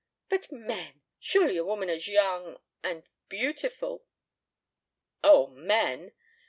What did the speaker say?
"But men. Surely a woman as young and beautiful " "Oh, men!"